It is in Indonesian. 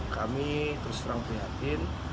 kami terus terang prihatin